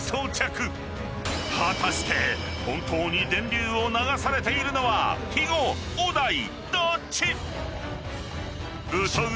［果たして本当に電流を流されているのは肥後小田井どっち？］